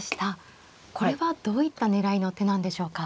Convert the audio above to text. これはどういった狙いの手なんでしょうか。